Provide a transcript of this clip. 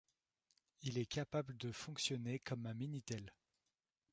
Il est capable de fonctionner comme un minitel.